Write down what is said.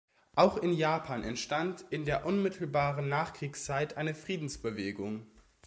Auch in Japan entstand in der unmittelbaren Nachkriegszeit eine Friedensbewegung.